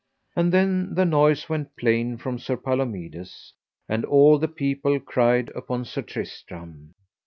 And then the noise went plain from Sir Palomides, and all the people cried upon Sir Tristram.